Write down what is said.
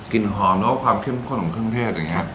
คลิกหอมและกลัวความเข้มข้นของเครื่องเทศแบบนี้